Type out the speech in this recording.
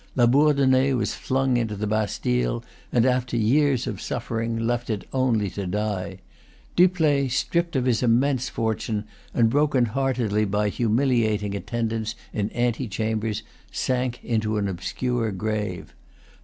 Labourdonnais was flung into the Bastile, and, after years of suffering, left it only to die. Dupleix, stripped of his immense fortune, and broken hearted by humiliating attendance in ante chambers, sank into an obscure grave.